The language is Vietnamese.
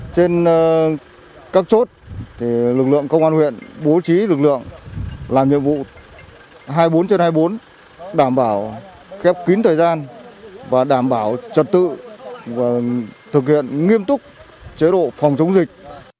trên các chốt lực lượng công an huyện bố trí lực lượng làm nhiệm vụ hai mươi bốn trên hai mươi bốn đảm bảo khép kín thời gian và đảm bảo trật tự và thực hiện nghiêm túc chế độ phòng chống dịch